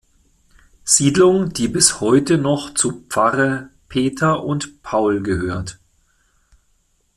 Siedlung, die bis heute noch zu Pfarre Peter und Paul gehört.